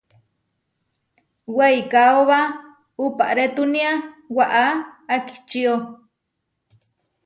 Weikaóba uʼparetúnia waʼá akíčio.